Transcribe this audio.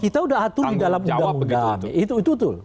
kita udah atur di dalam undang undang itu tuh